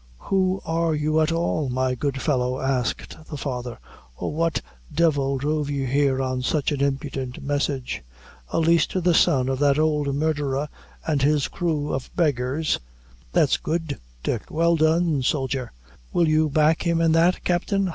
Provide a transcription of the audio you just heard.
"Who are you at all, my good fellow?" asked the father; "or what devil drove you here on such an impudent message? A lease to the son of that ould murderer and his crew of beggars! That's good, Dick! Well done, soger! will you back him in that, captain?